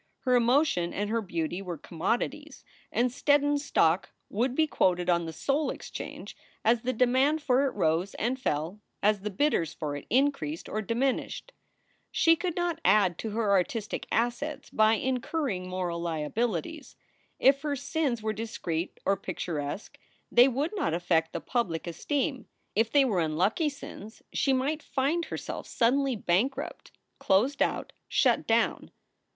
Her emotion and her beauty were commodities, and Steddon stock would be quoted on the Soul Exchange as the demand for it rose and fell, as the bidders for it increased or diminished. She could not add to her artistic assets by incurring moral liabilities. If her sins were discreet or picturesque they would not affect the public esteem. If they were unlucky sins, she might find herself suddenly bankrupt, closed out, shut down.